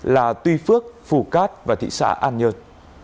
là tuy phước phù cát và thị xã an nhơn